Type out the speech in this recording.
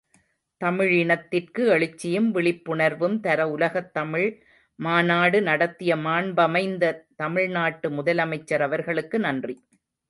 தமிழினத்திற்கு எழுச்சியும் விழிப்புணர்வும் தர உலகத் தமிழ் மாநாடு நடத்திய மாண்பமைந்த தமிழ்நாட்டு முதலமைச்சர் அவர்களுக்கு நன்றி!